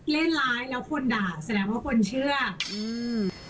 เล่นร้ายแล้วคนด่าแสดงว่าคนเชื่ออืม